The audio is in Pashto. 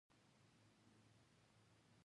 ایا زه باید د هګۍ سپین وخورم؟